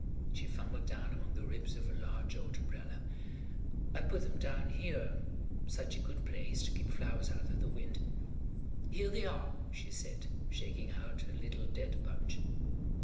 She fumbled down among the ribs of a large old umbrella. "I put them down here. Such a good place to keep flowers out of the wind. Here they are," she said, shaking out a little dead bunch.